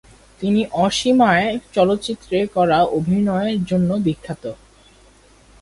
তিনি অসমীয়া চলচ্চিত্রে করা অভিনয়ের জন্য বিখ্যাত।